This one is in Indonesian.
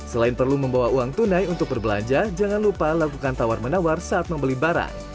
selain perlu membawa uang tunai untuk berbelanja jangan lupa lakukan tawar menawar saat membeli barang